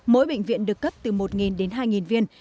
mỗi bệnh viện được cấp từ một đến hai viên